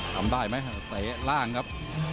ทำได้ไหมเตะล่างครับ